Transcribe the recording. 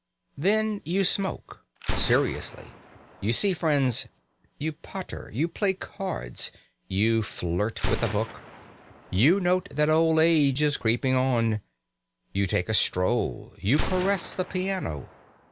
Then you smoke, seriously; you see friends; you potter; you play cards; you flirt with a book; you note that old age is creeping on; you take a stroll; you caress the piano....